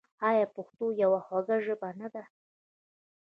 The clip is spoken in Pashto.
آیا پښتو یوه خوږه ژبه نه ده؟